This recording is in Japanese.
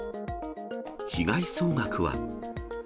被害総額は。